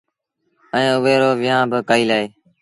ائيٚݩ اُئي رو ويٚنهآݩ با ڪئيٚل اهي